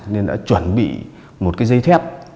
nên đã chuẩn bị một cái dây thép